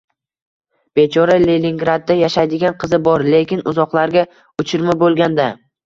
Bechora! Leningradda yashaydigan qizi bor, lekin uzoqlarga uchirma boʻlgan-da.